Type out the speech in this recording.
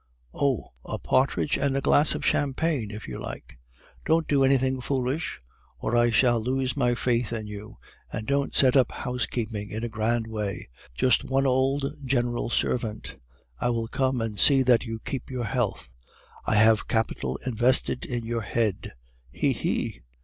"'Oh! a partridge and a glass of champagne if you like.' "'Don't do anything foolish, or I shall lose my faith in you. And don't set up housekeeping in a grand way. Just one old general servant. I will come and see that you keep your health. I have capital invested in your head, he! he!